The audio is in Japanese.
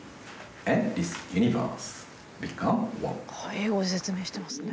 英語で説明してますね。